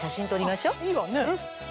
いいわね。